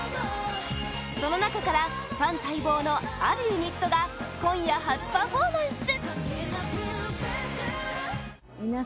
その中からファン待望のあるユニットが今夜、初パフォーマンス！